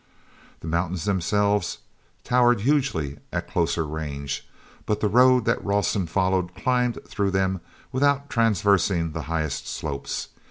The mountains themselves towered hugely at closer range, but the road that Rawson followed climbed through them without traversing the highest slopes.